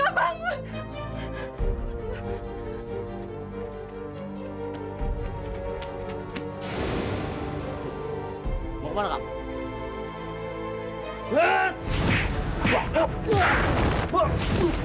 aku juga tidak tahu kenapa